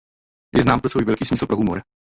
Je znám pro svůj velký smysl pro humor.